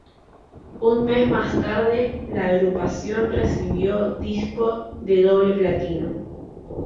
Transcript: Un mes más tarde la agrupación recibió disco de doble platino.